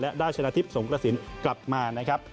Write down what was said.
และได้ชนะทิพย์สงกระสินกลับมานะครับ